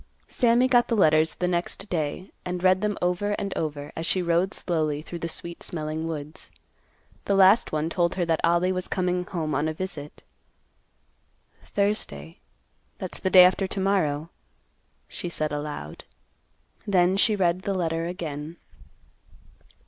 Sammy got the letters the next day, and read them over and over, as she rode slowly through the sweet smelling woods. The last one told her that Ollie was coming home on a visit. "Thursday, that's the day after to morrow," she said aloud. Then she read the letter again.